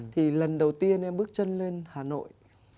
thì lần đầu tiên em bước chân lên hà nội